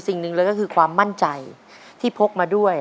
สิ่งหนึ่งเลยก็คือความมั่นใจที่พกมาด้วย